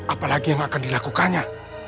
apalagi yang akan dilakukannya